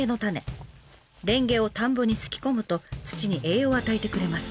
レンゲを田んぼにすき込むと土に栄養を与えてくれます。